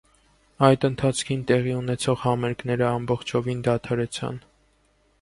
Այդ ընթացքին տեղի ունեցող համերգները ամբողջովին դադարեցան։